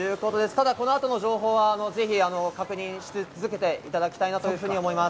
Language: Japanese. ただこの後の情報は、ぜひ確認し続けていただきたいなと思います。